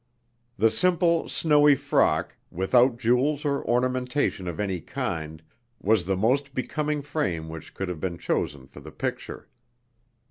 The simple, snowy frock, without jewels or ornamentation of any kind, was the most becoming frame which could have been chosen for the picture.